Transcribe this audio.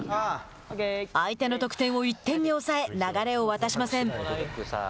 相手の得点を１点に抑え流れを渡しません。